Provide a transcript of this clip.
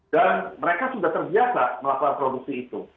dan mereka sudah terbiasa melakukan produksi itu